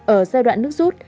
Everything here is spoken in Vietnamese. ở giai đoạn nước rút